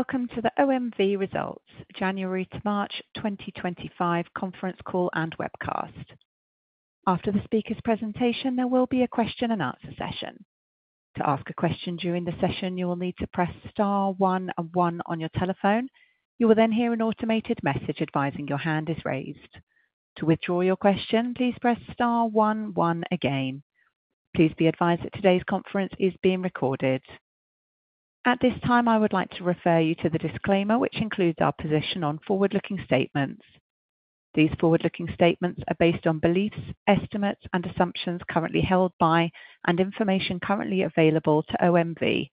Welcome to the OMV Results January to March 2025 conference call and webcast. After the speaker's presentation, there will be a question-and-answer session. To ask a question during the session, you will need to press star one one on your telephone. You will then hear an automated message advising your hand is raised. To withdraw your question, please press star one one again. Please be advised that today's conference is being recorded. At this time, I would like to refer you to the disclaimer, which includes our position on forward-looking statements. These forward-looking statements are based on beliefs, estimates, and assumptions currently held by and information currently available to OMV.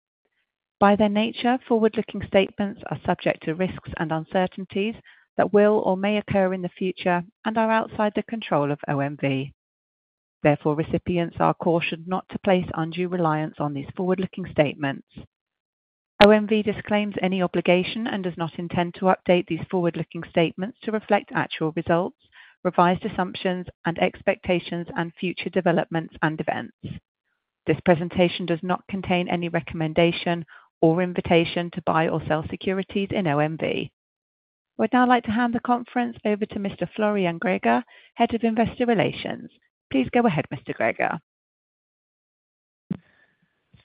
By their nature, forward-looking statements are subject to risks and uncertainties that will or may occur in the future and are outside the control of OMV. Therefore, recipients are cautioned not to place undue reliance on these forward-looking statements. OMV disclaims any obligation and does not intend to update these forward-looking statements to reflect actual results, revised assumptions, and expectations and future developments and events. This presentation does not contain any recommendation or invitation to buy or sell securities in OMV. I would now like to hand the conference over to Mr. Florian Greger, Head of Investor Relations. Please go ahead, Mr. Greger.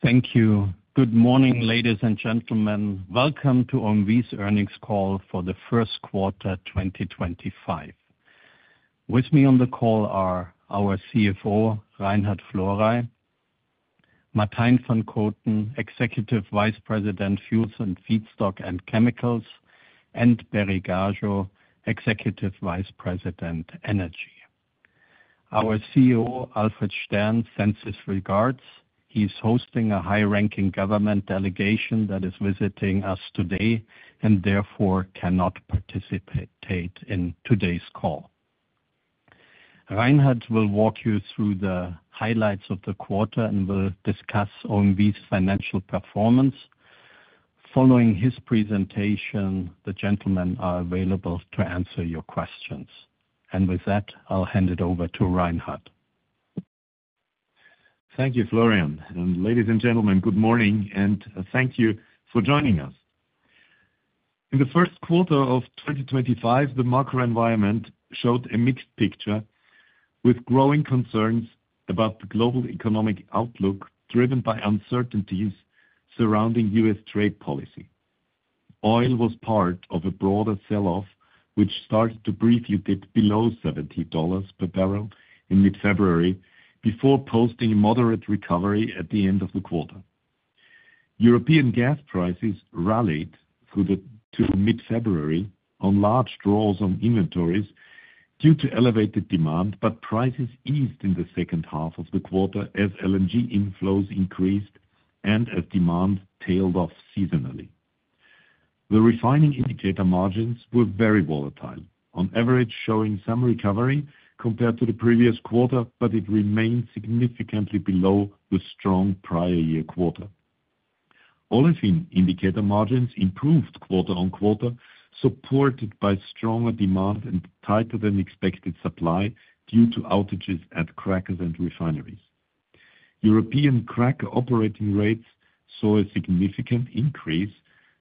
Thank you. Good morning, ladies and gentlemen. Welcome to OMV's earnings call for the first quarter 2025. With me on the call are our CFO, Reinhard Florey, Martijn van Koten, Executive Vice President, Fuels and Feedstock and Chemicals, and Berislav Gašo, Executive Vice President, Energy. Our CEO, Alfred Stern, sends his regards. He is hosting a high-ranking government delegation that is visiting us today and therefore cannot participate in today's call. Reinhard will walk you through the highlights of the quarter and will discuss OMV's financial performance. Following his presentation, the gentlemen are available to answer your questions. With that, I will hand it over to Reinhard. Thank you, Florian. Ladies and gentlemen, good morning, and thank you for joining us. In the first quarter of 2025, the macro environment showed a mixed picture with growing concerns about the global economic outlook driven by uncertainties surrounding US trade policy. Oil was part of a broader sell-off, which started to briefly dip below $70 per barrel in mid-February before posting a moderate recovery at the end of the quarter. European gas prices rallied through mid-February on large draws on inventories due to elevated demand, but prices eased in the second half of the quarter as LNG inflows increased and as demand tailed off seasonally. The refining indicator margins were very volatile, on average showing some recovery compared to the previous quarter, but it remained significantly below the strong prior year quarter. Olefin indicator margins improved quarter on quarter, supported by stronger demand and tighter than expected supply due to outages at crackers and refineries. European cracker operating rates saw a significant increase,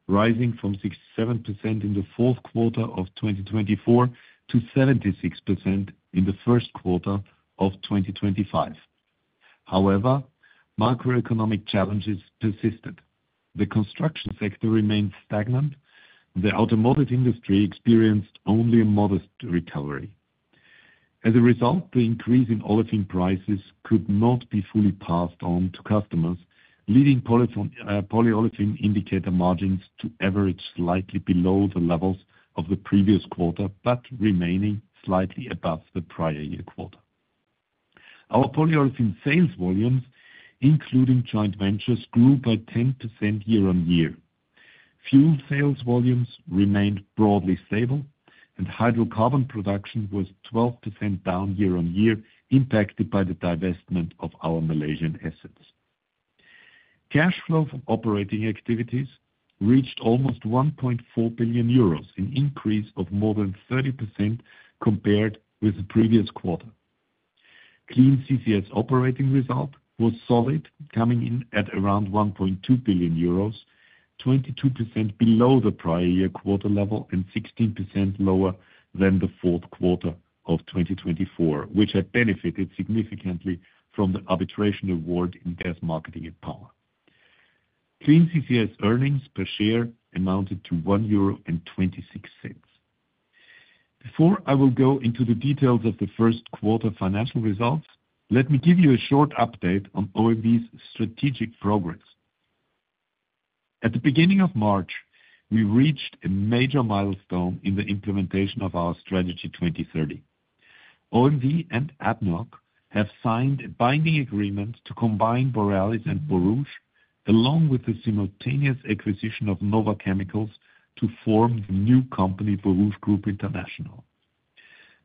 rising from 67% in the fourth quarter of 2024 to 76% in the first quarter of 2025. However, macroeconomic challenges persisted. The construction sector remained stagnant, and the automotive industry experienced only a modest recovery. As a result, the increase in olefin prices could not be fully passed on to customers, leading polyolefin indicator margins to average slightly below the levels of the previous quarter, but remaining slightly above the prior year quarter. Our polyolefin sales volumes, including joint ventures, grew by 10% year on year. Fuel sales volumes remained broadly stable, and hydrocarbon production was 12% down year on year, impacted by the divestment of our Malaysian assets. Cash flow from operating activities reached almost 1.4 billion euros, an increase of more than 30% compared with the previous quarter. Clean CCS operating result was solid, coming in at around 1.2 billion euros, 22% below the prior year quarter level and 16% lower than the fourth quarter of 2024, which had benefited significantly from the arbitration award in gas marketing and power. Clean CCS earnings per share amounted to 1.26 euro. Before I go into the details of the first quarter financial results, let me give you a short update on OMV's strategic progress. At the beginning of March, we reached a major milestone in the implementation of our Strategy 2030. OMV and ADNOC have signed a binding agreement to combine Borealis and Borouge, along with the simultaneous acquisition of Nova Chemicals to form the new company, Borouge Group International.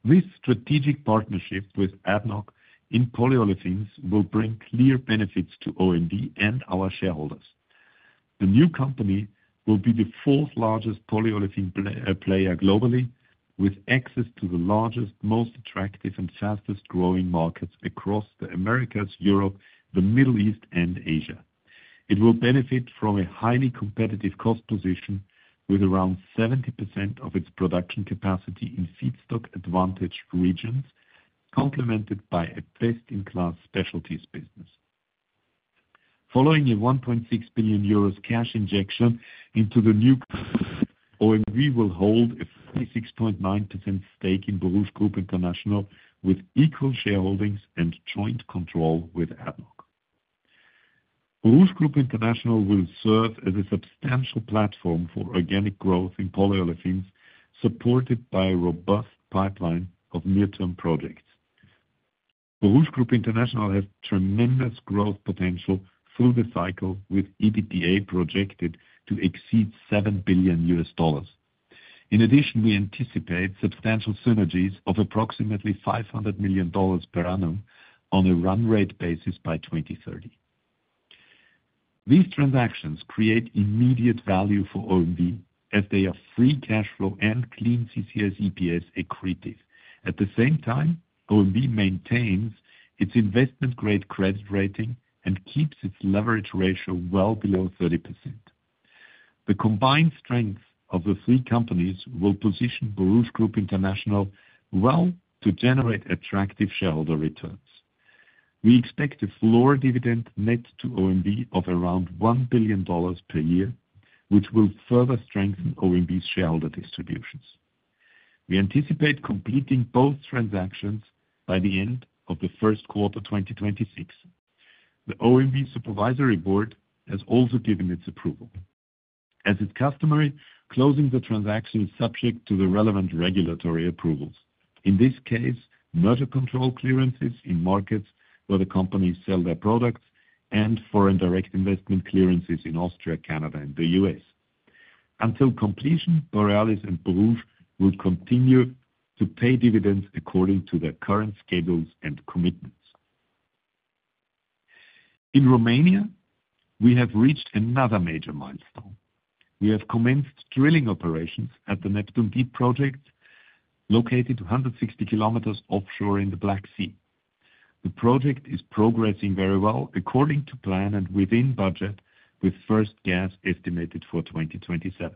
This strategic partnership with ADNOC in polyolefins will bring clear benefits to OMV and our shareholders. The new company will be the fourth largest polyolefin player globally, with access to the largest, most attractive, and fastest-growing markets across the Americas, Europe, the Middle East, and Asia. It will benefit from a highly competitive cost position with around 70% of its production capacity in feedstock-advantaged regions, complemented by a best-in-class specialties business. Following a 1.6 billion euros cash injection into the new, OMV will hold a 36.9% stake in Borouge Group International with equal shareholdings and joint control with ADNOC. Borouge Group International will serve as a substantial platform for organic growth in polyolefins, supported by a robust pipeline of near-term projects. Borouge Group International has tremendous growth potential through the cycle, with EBITDA projected to exceed $7 billion. In addition, we anticipate substantial synergies of approximately $500 million per annum on a run rate basis by 2030. These transactions create immediate value for OMV, as they are free cash flow and clean CCS EPS accretive. At the same time, OMV maintains its investment-grade credit rating and keeps its leverage ratio well below 30%. The combined strength of the three companies will position Borouge Group International well to generate attractive shareholder returns. We expect a floor dividend net to OMV of around $1 billion per year, which will further strengthen OMV's shareholder distributions. We anticipate completing both transactions by the end of the first quarter 2026. The OMV Supervisory Board has also given its approval. As is customary, closing the transaction is subject to the relevant regulatory approvals, in this case, merger control clearances in markets where the companies sell their products and foreign direct investment clearances in Austria, Canada, and the US. Until completion, Borealis and Borouge will continue to pay dividends according to their current schedules and commitments. In Romania, we have reached another major milestone. We have commenced drilling operations at the Neptun Deep project, located 160 km offshore in the Black Sea. The project is progressing very well, according to plan and within budget, with first gas estimated for 2027.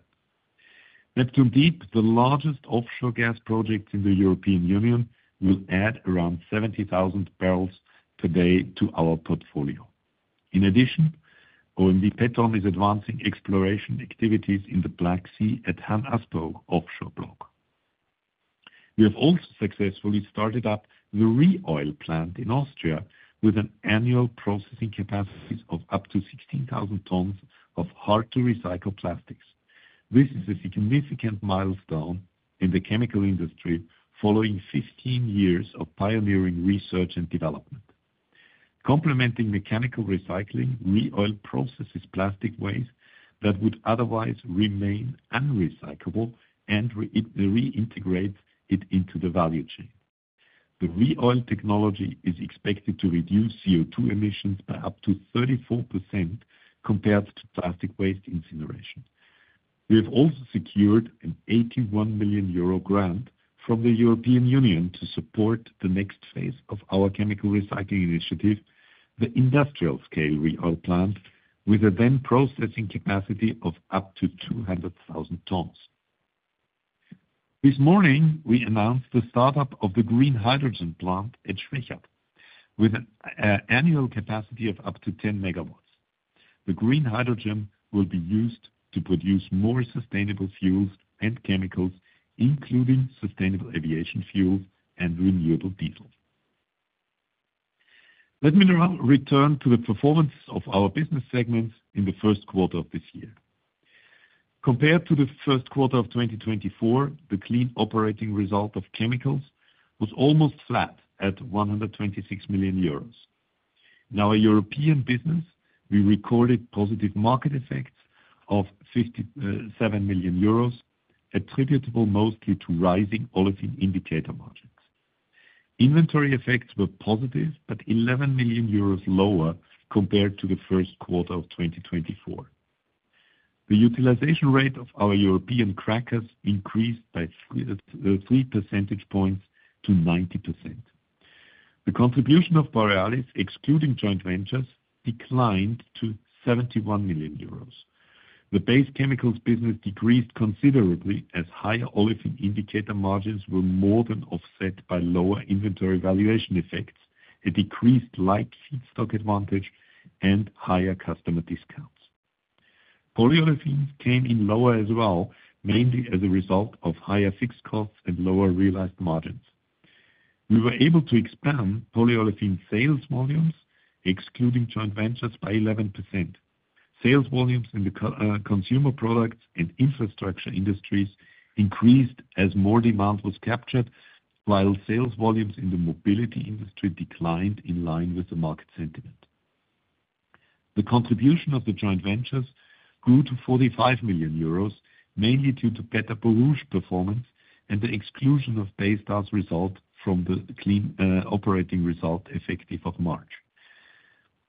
Neptun Deep, the largest offshore gas project in the European Union, will add around 70,000 barrels per day to our portfolio. In addition, OMV Petrom is advancing exploration activities in the Black Sea at Han-Asparuh offshore block. We have also successfully started up the Re-Oil plant in Austria, with an annual processing capacity of up to 16,000 tons of hard-to-recycle plastics. This is a significant milestone in the chemical industry, following 15 years of pioneering research and development. Complementing mechanical recycling, Re-Oil processes plastic waste that would otherwise remain unrecyclable and reintegrates it into the value chain. The ReOil technology is expected to reduce CO2 emissions by up to 34% compared to plastic waste incineration. We have also secured an 81 million euro grant from the European Union to support the next phase of our chemical recycling initiative, the industrial-scale Re-Oil plant, with a then processing capacity of up to 200,000 tons. This morning, we announced the startup of the green hydrogen plant at Schwechat, with an annual capacity of up to 10 megawatts. The green hydrogen will be used to produce more sustainable fuels and chemicals, including sustainable aviation fuels and renewable diesel. Let me now return to the performance of our business segments in the first quarter of this year. Compared to the first quarter of 2024, the clean operating result of chemicals was almost flat at 126 million euros. In our European business, we recorded positive market effects of 57 million euros, attributable mostly to rising olefin indicator margins. Inventory effects were positive, but 11 million euros lower compared to the first quarter of 2024. The utilization rate of our European crackers increased by 3 percentage points to 90%. The contribution of Borealis, excluding joint ventures, declined to 71 million euros. The base chemicals business decreased considerably as higher olefin indicator margins were more than offset by lower inventory valuation effects, a decreased light feedstock advantage, and higher customer discounts. Polyolefins came in lower as well, mainly as a result of higher fixed costs and lower realized margins. We were able to expand polyolefin sales volumes, excluding joint ventures, by 11%. Sales volumes in the consumer products and infrastructure industries increased as more demand was captured, while sales volumes in the mobility industry declined in line with the market sentiment. The contribution of the joint ventures grew to 45 million euros, mainly due to better Borouge performance and the exclusion of Baystar's result from the clean operating result effective March.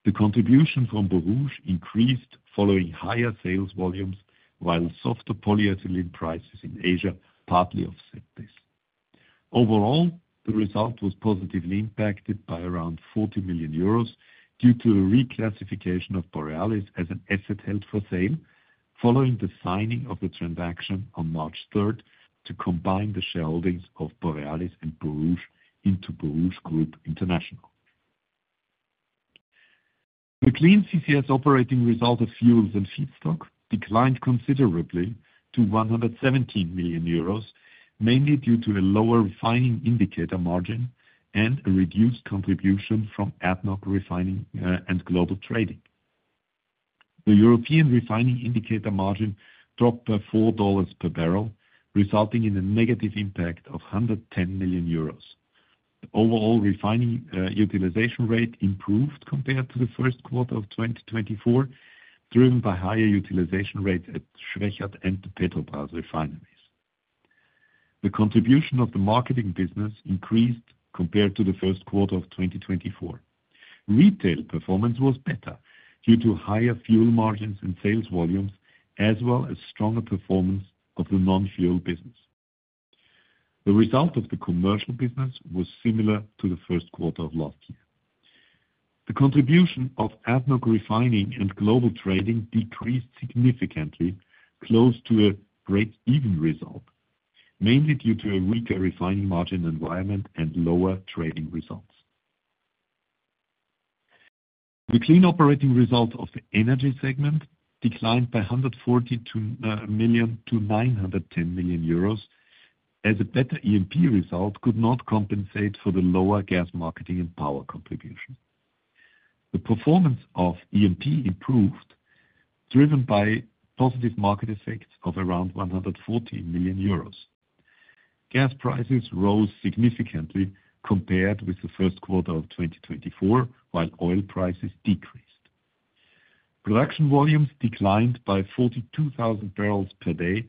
The contribution from Borouge increased following higher sales volumes, while softer polyethylene prices in Asia partly offset this. Overall, the result was positively impacted by around 40 million euros due to a reclassification of Borealis as an asset held for sale following the signing of the transaction on March 3rd to combine the shareholdings of Borealis and Borouge into Borouge Group International. The clean CCS operating result of fuels and feedstock declined considerably to 117 million euros, mainly due to a lower refining indicator margin and a reduced contribution from ADNOC Refining and Global Trading. The European refining indicator margin dropped by $4 per barrel, resulting in a negative impact of 110 million euros. The overall refining utilization rate improved compared to the first quarter of 2024, driven by higher utilization rates at Schwechat and the Petrom refineries. The contribution of the marketing business increased compared to the first quarter of 2024. Retail performance was better due to higher fuel margins and sales volumes, as well as stronger performance of the non-fuel business. The result of the commercial business was similar to the first quarter of last year. The contribution of ADNOC Refining and Global Trading decreased significantly, close to a break-even result, mainly due to a weaker refining margin environment and lower trading results. The clean operating result of the energy segment declined by 142 million to 910 million euros, as a better E&P result could not compensate for the lower gas marketing and power contribution. The performance of E&P improved, driven by positive market effects of around 114 million euros. Gas prices rose significantly compared with the first quarter of 2024, while oil prices decreased. Production volumes declined by 42,000 barrels per day,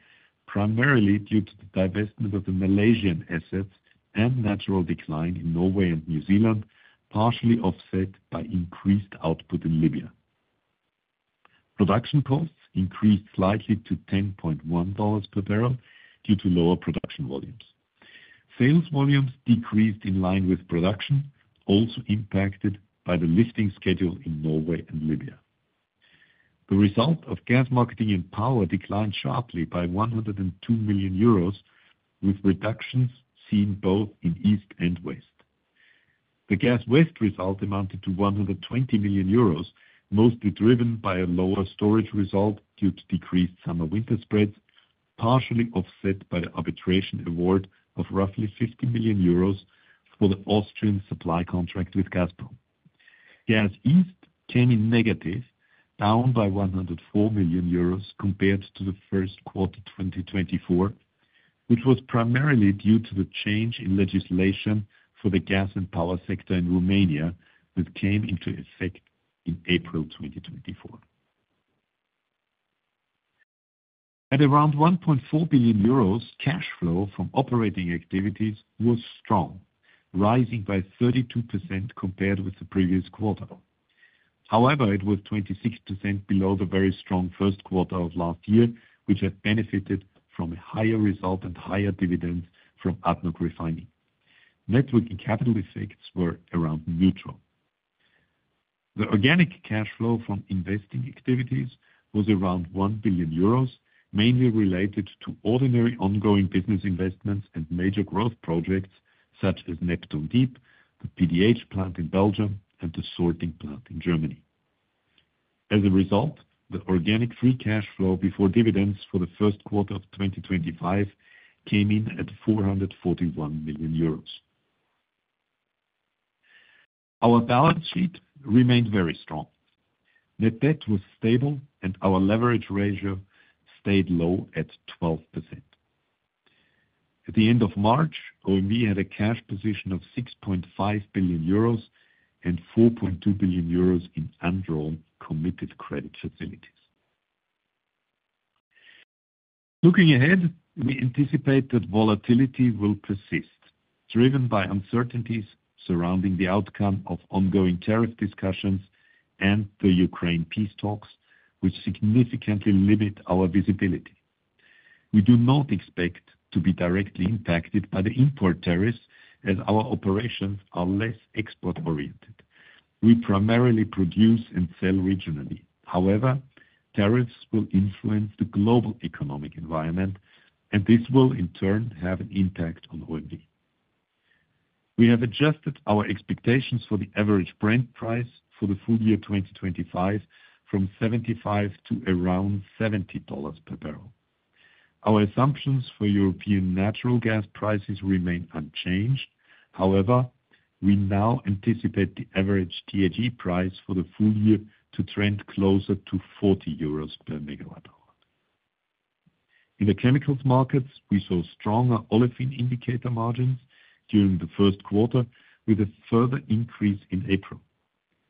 primarily due to the divestment of the Malaysian assets and natural decline in Norway and New Zealand, partially offset by increased output in Libya. Production costs increased slightly to $10.1 per barrel due to lower production volumes. Sales volumes decreased in line with production, also impacted by the lifting schedule in Norway and Libya. The result of gas marketing and power declined sharply by 102 million euros, with reductions seen both in east and west. The Gas West result amounted to 120 million euros, mostly driven by a lower storage result due to decreased summer-winter spreads, partially offset by the arbitration award of roughly 50 million euros for the Austrian supply contract with Gazprom. Gas east came in negative, down by 104 million euros compared to the first quarter 2024, which was primarily due to the change in legislation for the gas and power sector in Romania, which came into effect in April 2024. At around 1.4 billion euros, cash flow from operating activities was strong, rising by 32% compared with the previous quarter. However, it was 26% below the very strong first quarter of last year, which had benefited from a higher result and higher dividends from ADNOC Refining. Networking capital effects were around neutral. The organic cash flow from investing activities was around 1 billion euros, mainly related to ordinary ongoing business investments and major growth projects such as Neptun Deep, the PDH plant in Belgium, and the sorting plant in Germany. As a result, the organic free cash flow before dividends for the first quarter of 2025 came in at 441 million euros. Our balance sheet remained very strong. Net debt was stable, and our leverage ratio stayed low at 12%. At the end of March, OMV had a cash position of 6.5 billion euros and 4.2 billion euros in un-drawn committed credit facilities. Looking ahead, we anticipate that volatility will persist, driven by uncertainties surrounding the outcome of ongoing tariff discussions and the Ukraine peace talks, which significantly limit our visibility. We do not expect to be directly impacted by the import tariffs, as our operations are less export-oriented. We primarily produce and sell regionally. However, tariffs will influence the global economic environment, and this will, in turn, have an impact on OMV. We have adjusted our expectations for the average Brent price for the full year 2025 from $75 to around $70 per barrel. Our assumptions for European natural gas prices remain unchanged. However, we now anticipate the average TTF price for the full year to trend closer to 40 euros per megawatt hour. In the chemicals markets, we saw stronger Olefin indicator margins during the first quarter, with a further increase in April.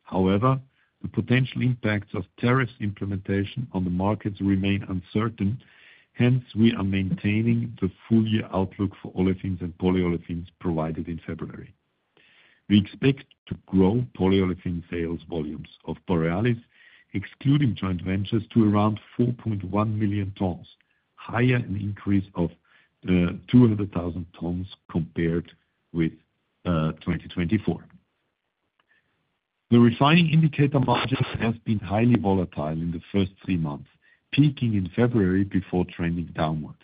However, the potential impacts of tariff implementation on the markets remain uncertain, hence, we are maintaining the full year outlook for Olefins and Polyolefins provided in February. We expect to grow Polyolefin sales volumes of Borealis, excluding joint ventures, to around 4.1 million tons, an increase of 200,000 tons compared with 2024. The refining indicator margin has been highly volatile in the first three months, peaking in February before trending downward.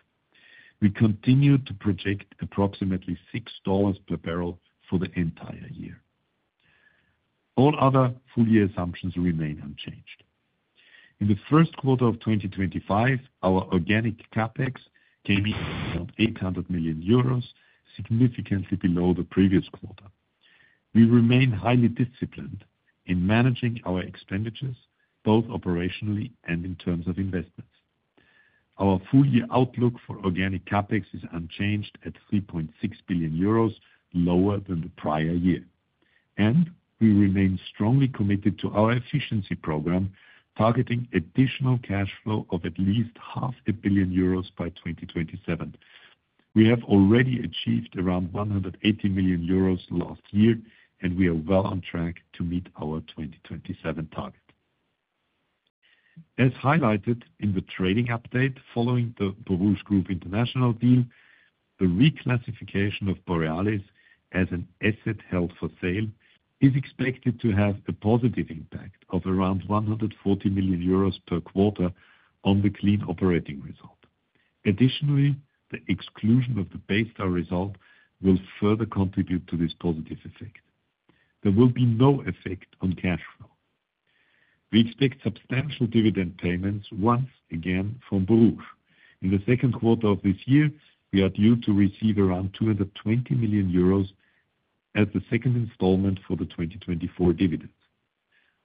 We continue to project approximately $6 per barrel for the entire year. All other full year assumptions remain unchanged. In the first quarter of 2025, our organic CapEx came in at around 800 million euros, significantly below the previous quarter. We remain highly disciplined in managing our expenditures, both operationally and in terms of investments. Our full year outlook for organic CapEx is unchanged at 3.6 billion euros, lower than the prior year. We remain strongly committed to our efficiency program, targeting additional cash flow of at least 500 million euros by 2027. We have already achieved around 180 million euros last year, and we are well on track to meet our 2027 target. As highlighted in the trading update following the Borouge Group International deal, the reclassification of Borealis as an asset held for sale is expected to have a positive impact of around 140 million euros per quarter on the clean operating result. Additionally, the exclusion of the Baystar result will further contribute to this positive effect. There will be no effect on cash flow. We expect substantial dividend payments once again from Borouge. In the second quarter of this year, we are due to receive around 220 million euros as the second installment for the 2024 dividends.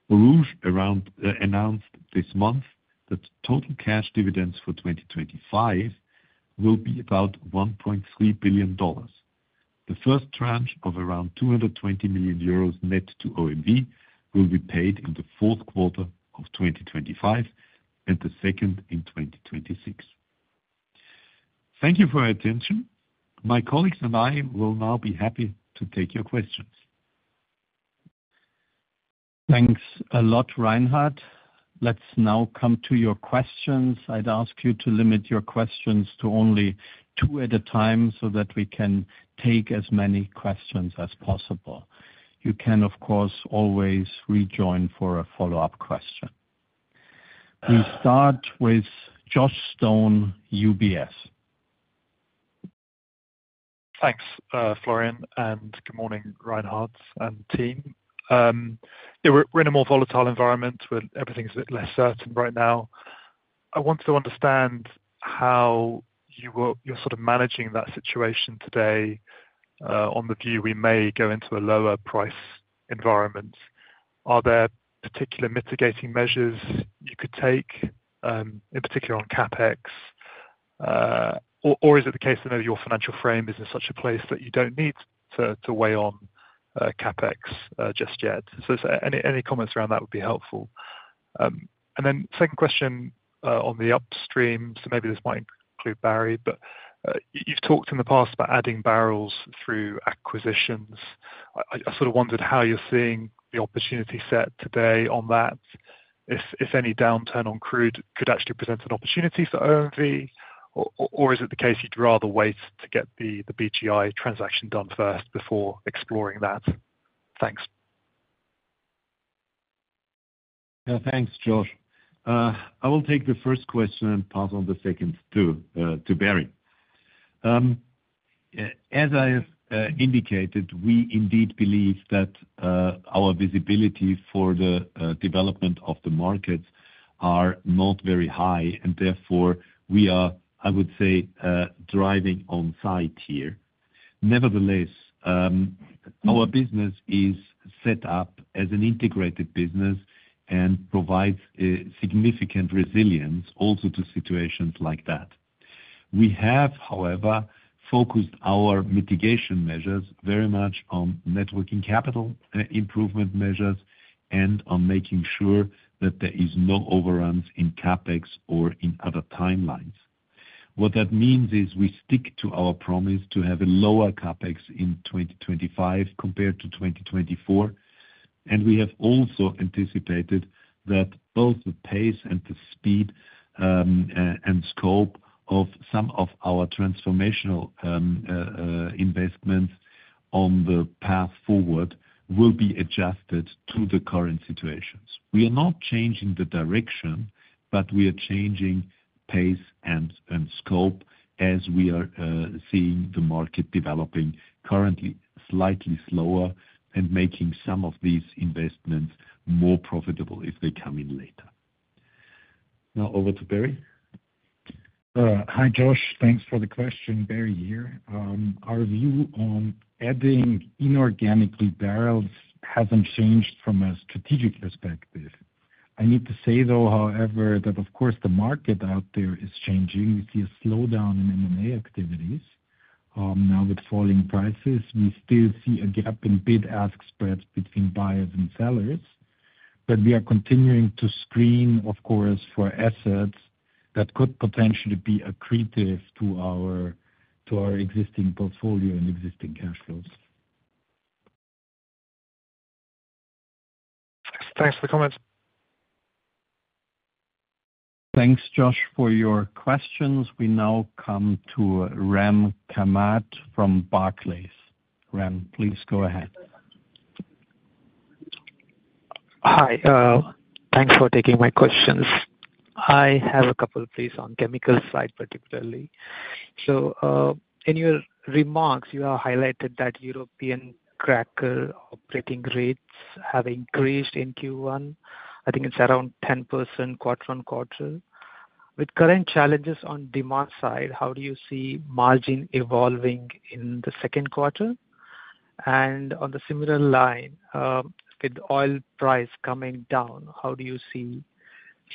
Borouge announced this month that total cash dividends for 2025 will be about $1.3 billion. The first tranche of around 220 million euros net to OMV will be paid in the fourth quarter of 2025 and the second in 2026. Thank you for your attention. My colleagues and I will now be happy to take your questions. Thanks a lot, Reinhard. Let's now come to your questions. I'd ask you to limit your questions to only two at a time so that we can take as many questions as possible. You can, of course, always rejoin for a follow-up question. We start with Josh Stone, UBS. Thanks, Florian, and good morning, Reinhard and team. We're in a more volatile environment where everything's a bit less certain right now. I want to understand how you're sort of managing that situation today on the view we may go into a lower price environment. Are there particular mitigating measures you could take, in particular on CapEx? Is it the case that maybe your financial frame is in such a place that you don't need to weigh on CapEx just yet? Any comments around that would be helpful. My second question is on the upstream, so maybe this might include Berislav, but you've talked in the past about adding barrels through acquisitions. I sort of wondered how you're seeing the opportunity set today on that. If any downturn on crude could actually present an opportunity for OMV, or is it the case you'd rather wait to get the BGI transaction done first before exploring that? Thanks. Thanks, Josh. I will take the first question and pass on the second to Berislav. As I have indicated, we indeed believe that our visibility for the development of the markets is not very high, and therefore we are, I would say, driving on site here. Nevertheless, our business is set up as an integrated business and provides significant resilience also to situations like that. We have, however, focused our mitigation measures very much on networking capital improvement measures and on making sure that there are no overruns in capex or in other timelines. What that means is we stick to our promise to have a lower Capex in 2025 compared to 2024, and we have also anticipated that both the pace and the speed and scope of some of our transformational investments on the path forward will be adjusted to the current situations. We are not changing the direction, but we are changing pace and scope as we are seeing the market developing currently slightly slower and making some of these investments more profitable if they come in later. Now, over to Berislav. Hi, Josh. Thanks for the question, Berislav here. Our view on adding inorganically barrels hasn't changed from a strategic perspective. I need to say, though, however, that of course the market out there is changing. We see a slowdown in M&A activities now with falling prices. We still see a gap in bid-ask spreads between buyers and sellers, but we are continuing to screen, of course, for assets that could potentially be accretive to our existing portfolio and existing cash flows. Thanks for the comments. Thanks, Josh, for your questions. We now come to Ram Kamath from Barclays. Ram, please go ahead. Hi. Thanks for taking my questions. I have a couple of plays on the chemical side, particularly. In your remarks, you have highlighted that European cracker operating rates have increased in Q1. I think it is around 10% quarter on quarter. With current challenges on the demand side, how do you see margin evolving in the second quarter? On a similar line, with oil price coming down, how do you see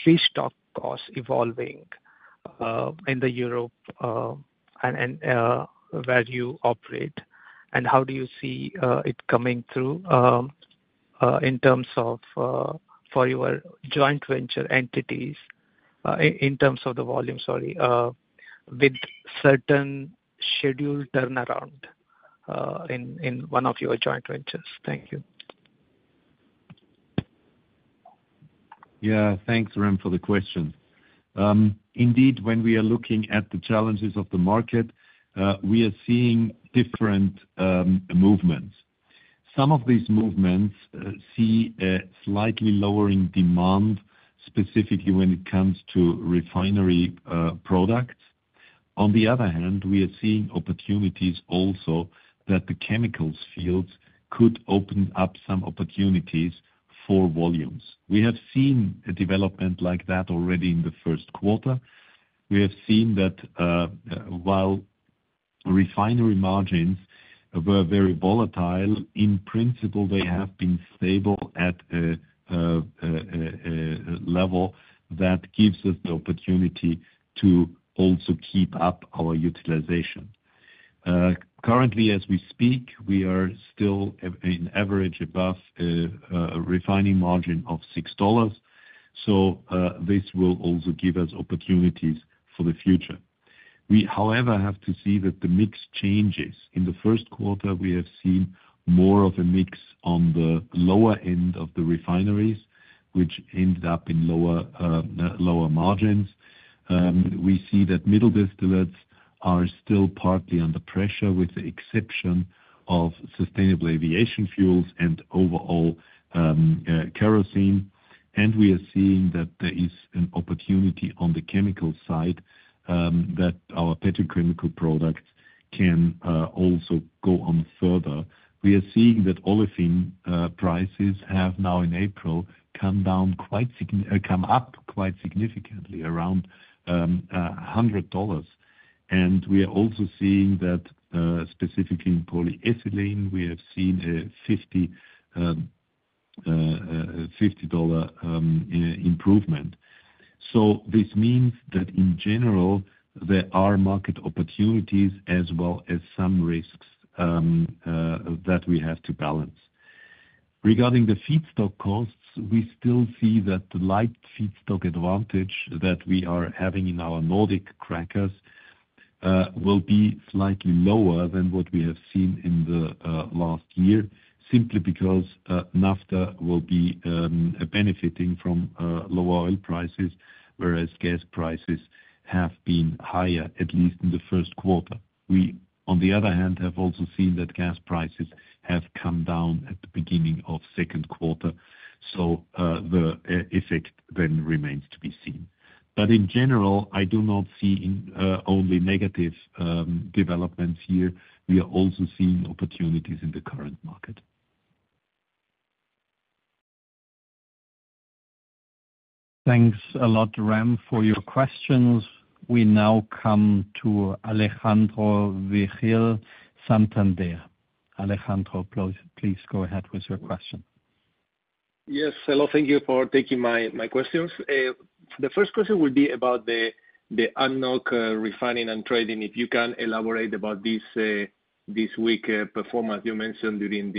free stock costs evolving in Europe where you operate? How do you see it coming through in terms of for your joint venture entities in terms of the volume, sorry, with certain schedule turnaround in one of your joint ventures? Thank you. Yeah, thanks, Rem, for the question. Indeed, when we are looking at the challenges of the market, we are seeing different movements. Some of these movements see a slightly lowering demand, specifically when it comes to refinery products. On the other hand, we are seeing opportunities also that the chemicals fields could open up some opportunities for volumes. We have seen a development like that already in the first quarter. We have seen that while refinery margins were very volatile, in principle, they have been stable at a level that gives us the opportunity to also keep up our utilization. Currently, as we speak, we are still, on average, above a refining margin of $6. This will also give us opportunities for the future. We, however, have to see that the mix changes. In the first quarter, we have seen more of a mix on the lower end of the refineries, which ended up in lower margins. We see that middle distillates are still partly under pressure, with the exception of sustainable aviation fuels and overall kerosene. We are seeing that there is an opportunity on the chemical side that our petrochemical products can also go on further. We are seeing that olefin prices have now in April come up quite significantly, around $100. We are also seeing that specifically in polyethylene, we have seen a $50 improvement. This means that in general, there are market opportunities as well as some risks that we have to balance. Regarding the feedstock costs, we still see that the light feedstock advantage that we are having in our Nordic crackers will be slightly lower than what we have seen in the last year, simply because naphtha will be benefiting from lower oil prices, whereas gas prices have been higher, at least in the first quarter. We, on the other hand, have also seen that gas prices have come down at the beginning of the second quarter. The effect then remains to be seen. In general, I do not see only negative developments here. We are also seeing opportunities in the current market. Thanks a lot, Rem, for your questions. We now come to Alejandro Vigil, Santander. Alejandro, please go ahead with your question. Yes, hello, thank you for taking my questions. The first question would be about the unknown refining and trading. If you can elaborate about this week's performance you mentioned during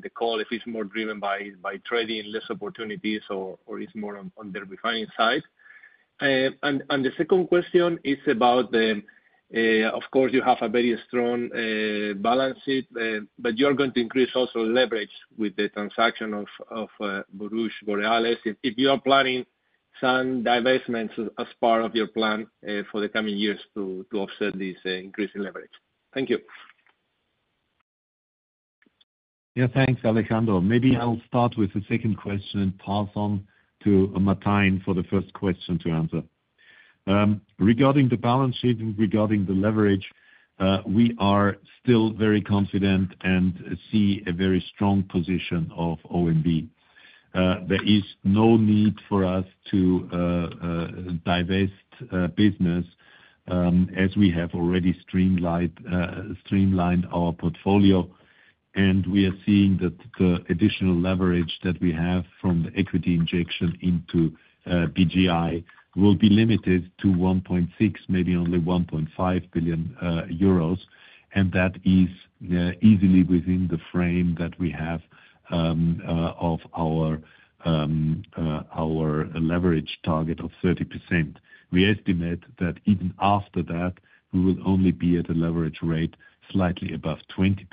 the call, if it's more driven by trading, less opportunities, or it's more on the refining side. The second question is about, of course, you have a very strong balance sheet, but you're going to increase also leverage with the transaction of Borouge Borealis. If you are planning some divestments as part of your plan for the coming years to offset this increase in leverage. Thank you. Yeah, thanks, Alejandro. Maybe I'll start with the second question and pass on to Martijn for the first question to answer. Regarding the balance sheet and regarding the leverage, we are still very confident and see a very strong position of OMV. There is no need for us to divest business as we have already streamlined our portfolio. We are seeing that the additional leverage that we have from the equity injection into BGI will be limited to 1.6 billion, maybe only 1.5 billion euros. That is easily within the frame that we have of our leverage target of 30%. We estimate that even after that, we will only be at a leverage rate slightly above 20%.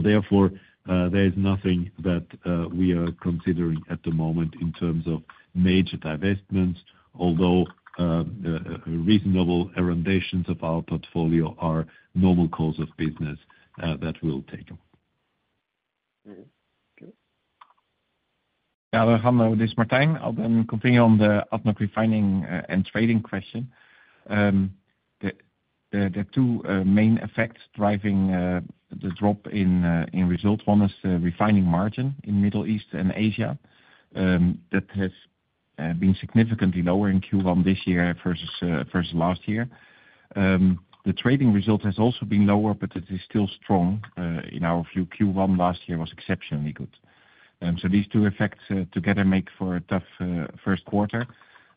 Therefore, there is nothing that we are considering at the moment in terms of major divestments, although reasonable of our portfolio are normal course of business that we'll take. Yeah, Alejandro, this is Martijn. I'll then continue on the unknown refining and trading question. There are two main effects driving the drop in result. One is the refining margin in the Middle East and Asia that has been significantly lower in Q1 this year versus last year. The trading result has also been lower, but it is still strong. In our view, Q1 last year was exceptionally good. These two effects together make for a tough first quarter.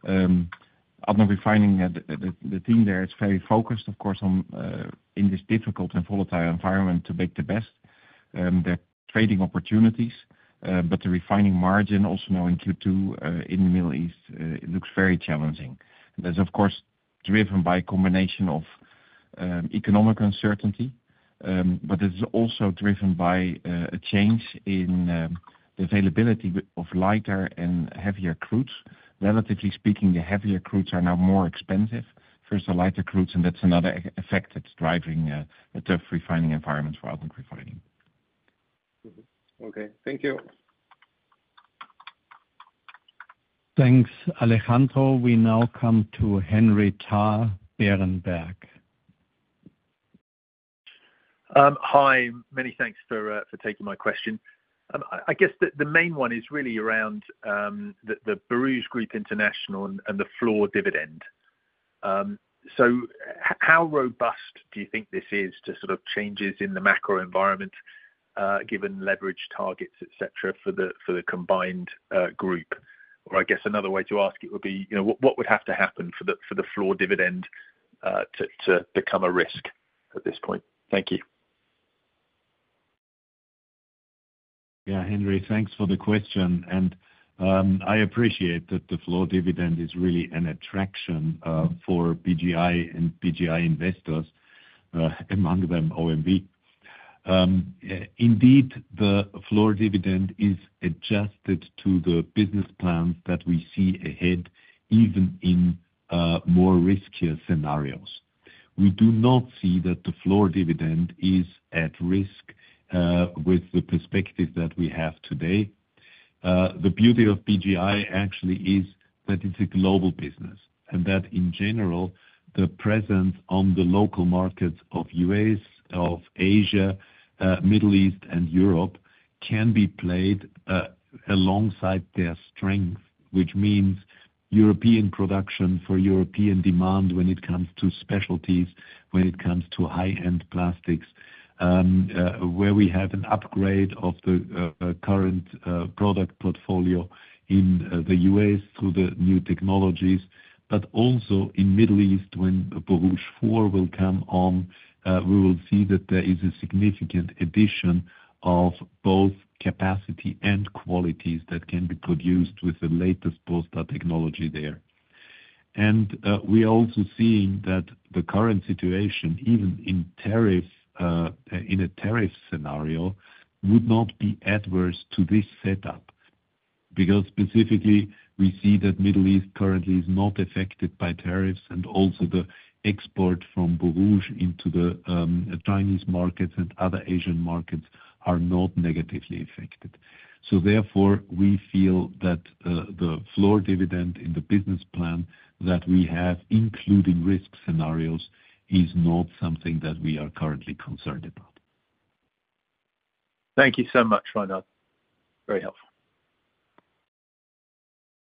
In refining, the team there is very focused, of course, in this difficult and volatile environment to make the best. There are trading opportunities, but the refining margin also now in Q2 in the Middle East looks very challenging. That is, of course, driven by a combination of economic uncertainty, but it is also driven by a change in the availability of lighter and heavier crudes. Relatively speaking, the heavier crudes are now more expensive versus the lighter crudes, and that is another effect that is driving a tough refining environment for refining. Okay, thank you. Thanks, Alejandro. We now come to Henry Tarr Berenberg. Hi, many thanks for taking my question. I guess the main one is really around the Borouge Group International and the floor dividend. How robust do you think this is to sort of changes in the macro environment, given leverage targets, etc., for the combined group? I guess another way to ask it would be, what would have to happen for the floor dividend to become a risk at this point? Thank you. Yeah, Henry, thanks for the question. I appreciate that the floor dividend is really an attraction for BGI and BGI investors, among them OMV. Indeed, the floor dividend is adjusted to the business plans that we see ahead, even in more riskier scenarios. We do not see that the floor dividend is at risk with the perspective that we have today. The beauty of BGI actually is that it's a global business and that in general, the presence on the local markets of the US, of Asia, Middle East, and Europe can be played alongside their strength, which means European production for European demand when it comes to specialties, when it comes to high-end plastics, where we have an upgrade of the current product portfolio in the US through the new technologies. Also in the Middle East, when Borouge 4 will come on, we will see that there is a significant addition of both capacity and qualities that can be produced with the latest Borstar technology there. We are also seeing that the current situation, even in a tariff scenario, would not be adverse to this setup because specifically we see that the Middle East currently is not affected by tariffs and also the export from Borouge into the Chinese markets and other Asian markets are not negatively affected. Therefore, we feel that the floor dividend in the business plan that we have, including risk scenarios, is not something that we are currently concerned about. Thank you so much, Reinhard. Very helpful.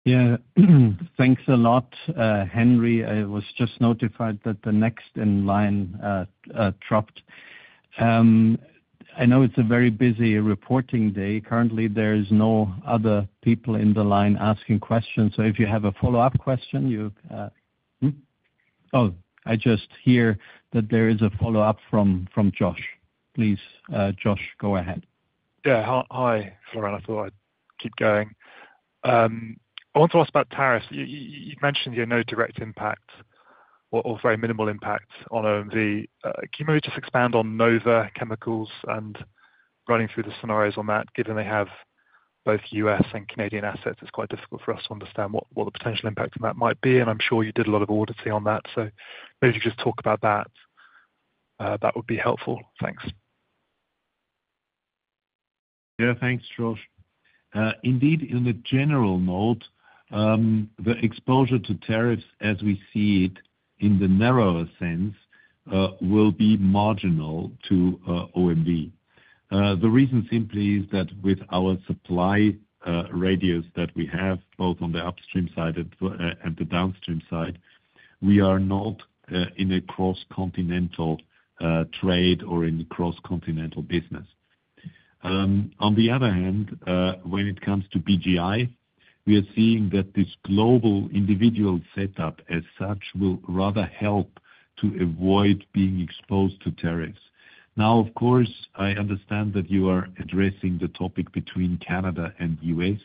Yeah, thanks a lot, Henry. I was just notified that the next in line dropped. I know it is a very busy reporting day. Currently, there are no other people in the line asking questions. If you have a follow-up question, you—oh, I just hear that there is a follow-up from Josh. Please, Josh, go ahead. Yeah, Hi. I thought I'd keep going. I want to ask about tariffs. You mentioned there are no direct impacts or very minimal impacts on OMV. Can you maybe just expand on Nova Chemicals and running through the scenarios on that? Given they have both US and Canadian assets, it's quite difficult for us to understand what the potential impact on that might be. I'm sure you did a lot of auditing on that. Maybe if you could just talk about that, that would be helpful. Thanks. Yeah, thanks, Josh. Indeed, in the general note, the exposure to tariffs, as we see it in the narrower sense, will be marginal to OMV. The reason simply is that with our supply radius that we have, both on the upstream side and the downstream side, we are not in a cross-continental trade or in cross-continental business. On the other hand, when it comes to BGI, we are seeing that this global individual setup as such will rather help to avoid being exposed to tariffs. Now, of course, I understand that you are addressing the topic between Canada and the US,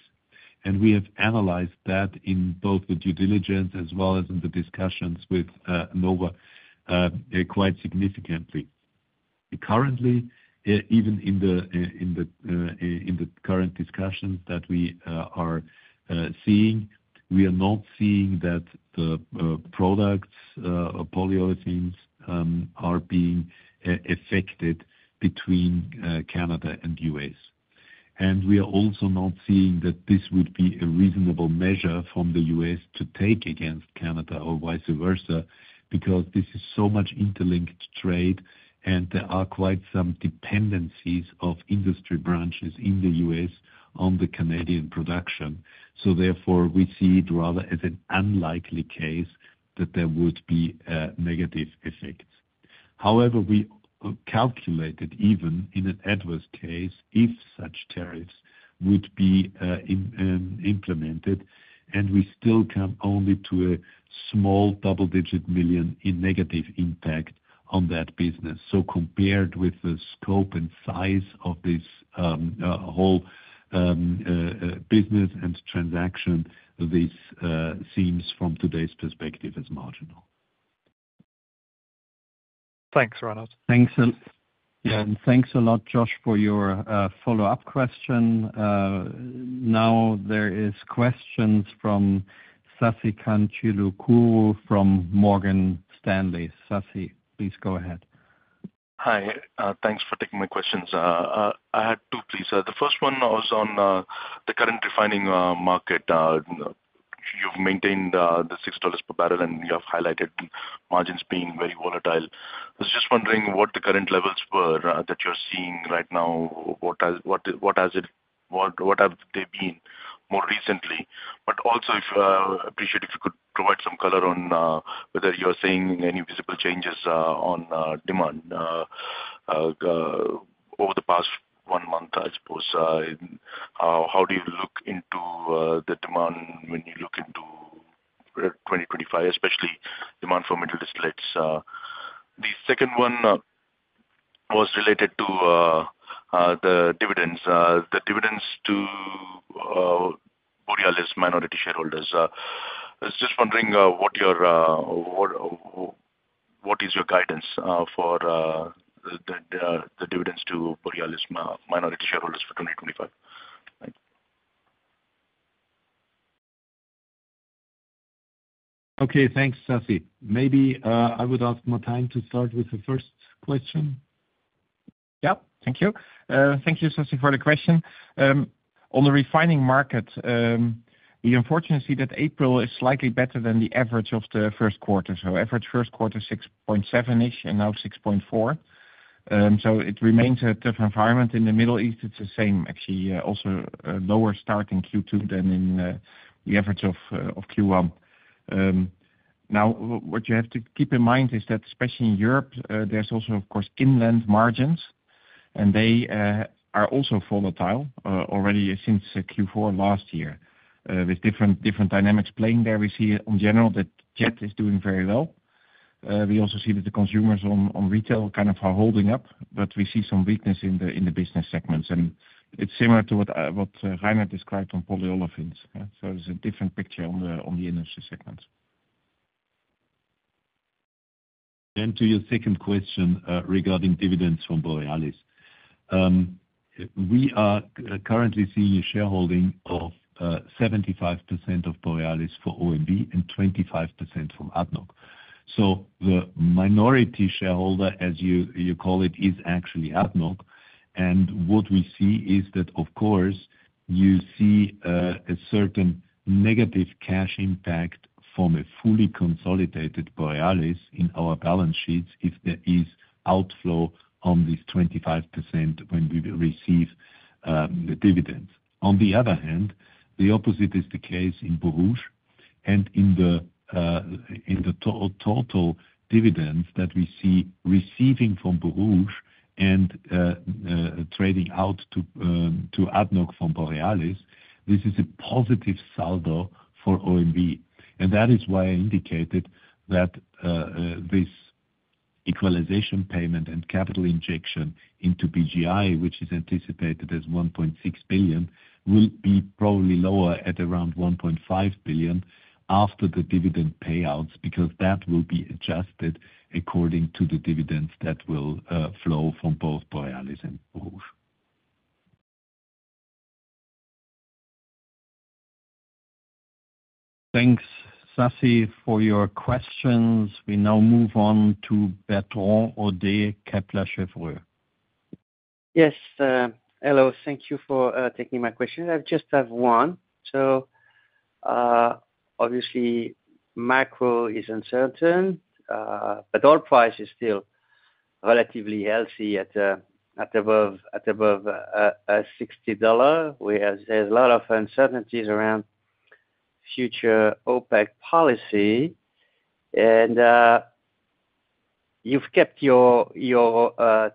and we have analyzed that in both the due diligence as well as in the discussions with Nova quite significantly. Currently, even in the current discussions that we are seeing, we are not seeing that the products, polyethylenes, are being affected between Canada and the US. We are also not seeing that this would be a reasonable measure from the US to take against Canada or vice versa because this is so much interlinked trade and there are quite some dependencies of industry branches in the US on the Canadian production. Therefore, we see it rather as an unlikely case that there would be negative effects. However, we calculated even in an adverse case if such tariffs would be implemented, and we still come only to a small double-digit million in negative impact on that business. Compared with the scope and size of this whole business and transaction, this seems from today's perspective as marginal. Thanks, Reinhard. Thanks. Yeah, and thanks a lot, Josh, for your follow-up question. Now, there are questions from Sasikanth Chilukuru from Morgan Stanley. Sassi, please go ahead. Hi, thanks for taking my questions. I had two, please. The first one was on the current refining market. You've maintained the $6 per barrel, and you have highlighted margins being very volatile. I was just wondering what the current levels were that you're seeing right now. What have they been more recently? I appreciate if you could provide some color on whether you're seeing any visible changes on demand over the past one month, I suppose. How do you look into the demand when you look into 2025, especially demand for middle distillates? The second one was related to the dividends, the dividends to Borealis minority shareholders. I was just wondering what is your guidance for the dividends to Borealis minority shareholders for 2025? Okay, thanks, Sassi. Maybe I would ask Martijn to start with the first question. Yeah, thank you. Thank you, Sassi, for the question. On the refining market, we unfortunately see that April is slightly better than the average of the first quarter. Average first quarter 6.7-ish and now 6.4. It remains a tough environment. In the Middle East, it's the same, actually. Also lower starting Q2 than in the average of Q1. Now, what you have to keep in mind is that, especially in Europe, there's also, of course, inland margins, and they are also volatile already since Q4 last year with different dynamics playing there. We see in general that Jet is doing very well. We also see that the consumers on retail kind of are holding up, but we see some weakness in the business segments. It is similar to what Reinhard described on polyolefins. It is a different picture on the industry segments. To your second question regarding dividends from Borealis, we are currently seeing a shareholding of 75% of Borealis for OMV and 25% from ADNOC. The minority shareholder, as you call it, is actually ADNOC. What we see is that, of course, you see a certain negative cash impact from a fully consolidated Borealis in our balance sheets if there is outflow on this 25% when we receive the dividends. On the other hand, the opposite is the case in Borouge. In the total dividends that we see receiving from Borouge and trading out to ADNOC from Borealis, this is a positive saldo for OMV. That is why I indicated that this equalization payment and capital injection into BGI, which is anticipated as $1.6 billion, will be probably lower at around $1.5 billion after the dividend payouts because that will be adjusted according to the dividends that will flow from both Borealis and Borouge. Thanks, Sassi, for your questions. We now move on to Bertrand Hodee, Kepler Cheuvreux. Yes, hello. Thank you for taking my question. I just have one. Obviously, macro is uncertain, but oil price is still relatively healthy at above $60. There is a lot of uncertainties around future OPEC policy. You have kept your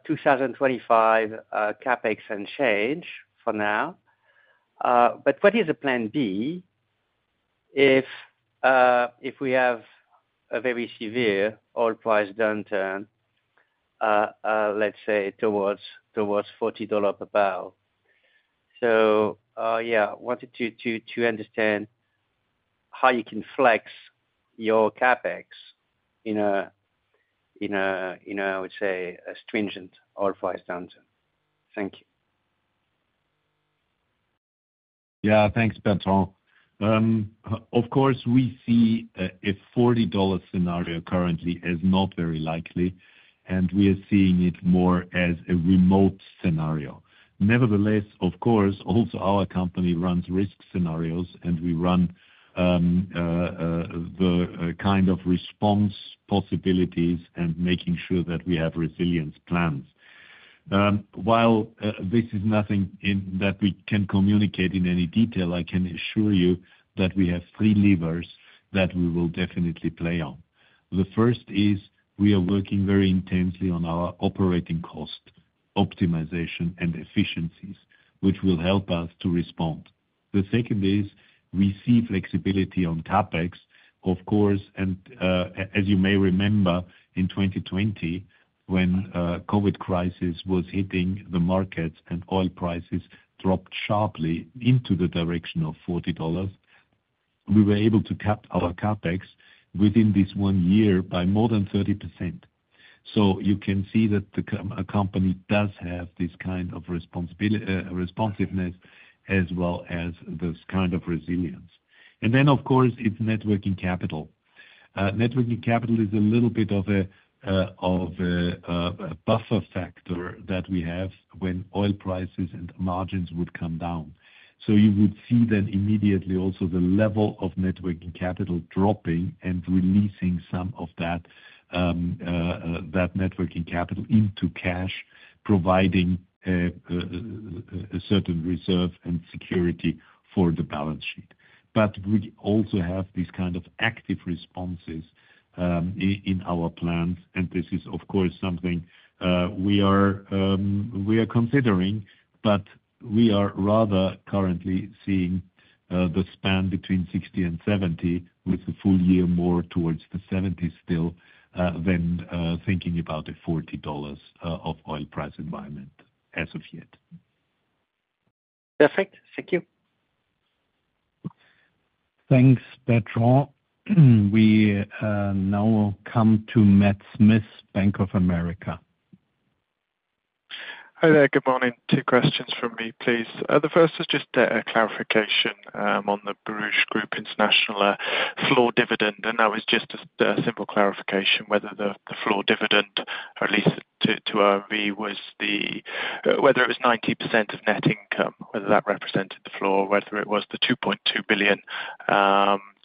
2025 CapEx unchanged for now. What is the plan B if we have a very severe oil price downturn, let's say, towards $40 per barrel? I wanted to understand how you can flex your CapEx in a, I would say, stringent oil price downturn. Thank you. Thanks, Bertrand. Of course, we see a $40 scenario currently as not very likely, and we are seeing it more as a remote scenario. Nevertheless, of course, also our company runs risk scenarios, and we run the kind of response possibilities and making sure that we have resilience plans. While this is nothing that we can communicate in any detail, I can assure you that we have three levers that we will definitely play on. The first is we are working very intensely on our operating cost optimization and efficiencies, which will help us to respond. The second is we see flexibility on CapEx, of course. As you may remember, in 2020, when the COVID crisis was hitting the markets and oil prices dropped sharply into the direction of $40, we were able to cap our CapEx within this one year by more than 30%. You can see that a company does have this kind of responsiveness as well as this kind of resilience. Of course, it is networking capital. Networking capital is a little bit of a buffer factor that we have when oil prices and margins would come down. You would see then immediately also the level of net working capital dropping and releasing some of that net working capital into cash, providing a certain reserve and security for the balance sheet. We also have these kind of active responses in our plans. This is, of course, something we are considering, but we are rather currently seeing the span between $60 and $70 with the full year more towards the $70 still than thinking about a $40 oil price environment as of yet. Perfect. Thank you. Thanks, Berton. We now come to Matt Smith, Bank of America. Hi there. Good morning. Two questions from me, please. The first is just a clarification on the Borouge Group International floor dividend. That was just a simple clarification whether the floor dividend, at least to OMV, was whether it was 90% of net income, whether that represented the floor, whether it was the 2.2 billion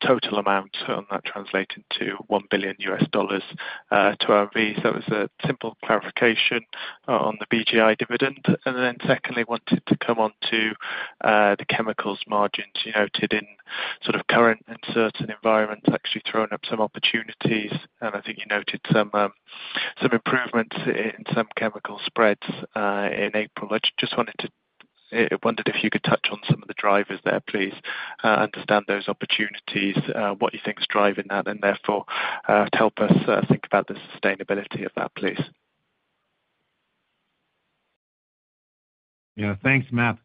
total amount, and that translated to $1 billion to OMV. It was a simple clarification on the BGI dividend. Secondly, I wanted to come on to the chemicals margins. You noted in sort of current and certain environments actually throwing up some opportunities. I think you noted some improvements in some chemical spreads in April. I just wondered if you could touch on some of the drivers there, please, understand those opportunities, what you think is driving that, and therefore help us think about the sustainability of that, please. Yeah, thanks, Matt.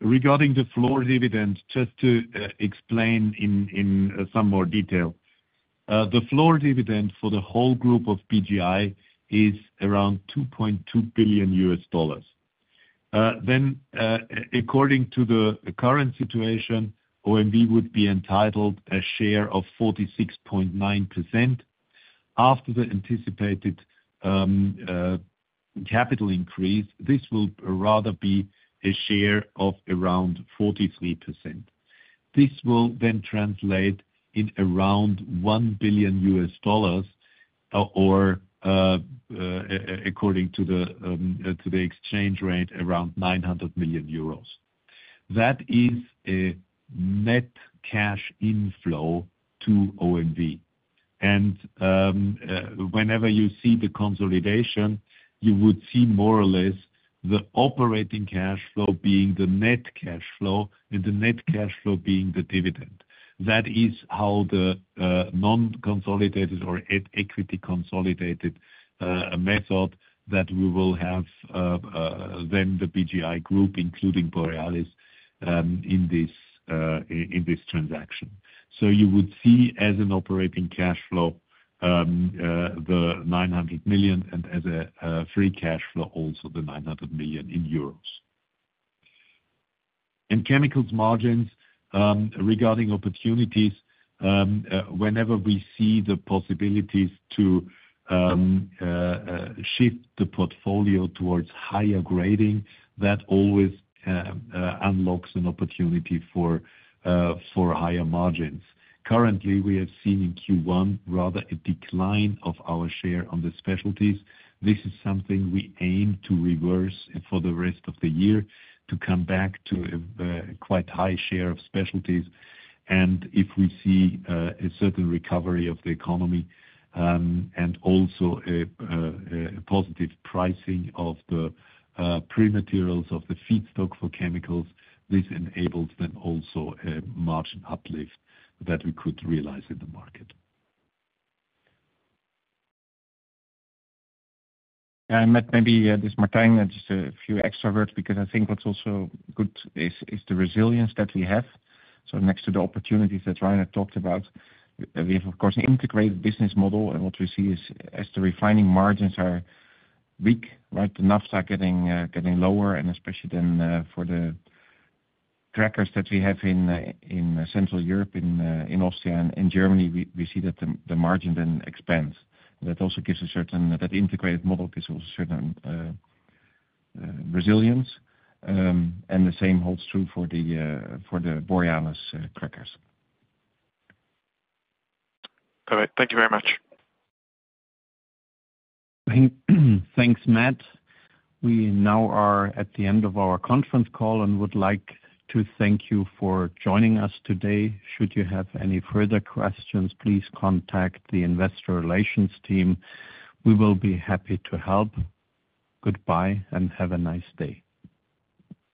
Regarding the floor dividend, just to explain in some more detail, the floor dividend for the whole group of BGI is around $2.2 billion. According to the current situation, OMV would be entitled a share of 46.9%. After the anticipated capital increase, this will rather be a share of around 43%. This will then translate in around $1 billion or, according to the exchange rate, around 900 million euros. That is a net cash inflow to OMV. Whenever you see the consolidation, you would see more or less the operating cash flow being the net cash flow and the net cash flow being the dividend. That is how the non-consolidated or equity-consolidated method that we will have then the BGI group, including Borealis, in this transaction. You would see as an operating cash flow the 900 million and as a free cash flow also the 900 million euros. Chemicals margins, regarding opportunities, whenever we see the possibilities to shift the portfolio towards higher grading, that always unlocks an opportunity for higher margins. Currently, we have seen in Q1 rather a decline of our share on the specialties. This is something we aim to reverse for the rest of the year to come back to a quite high share of specialties. If we see a certain recovery of the economy and also a positive pricing of the pre-materials of the feedstock for chemicals, this enables then also a margin uplift that we could realize in the market. Yeah, Matt, maybe just a few extra words because I think what's also good is the resilience that we have. Next to the opportunities that Reiner talked about, we have, of course, an integrated business model. What we see is as the refining margins are weak, the naphtha are getting lower, and especially then for the crackers that we have in Central Europe, in Austria, and in Germany, we see that the margin then expands. That integrated model also gives a certain resilience. The same holds true for the Borealis crackers. Perfect. Thank you very much. Thanks, Matt. We now are at the end of our conference call and would like to thank you for joining us today. Should you have any further questions, please contact the investor relations team. We will be happy to help. Goodbye and have a nice day.